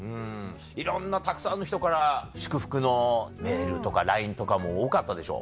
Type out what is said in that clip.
いろんなたくさんの人から祝福のメールとかＬＩＮＥとかも多かったでしょ。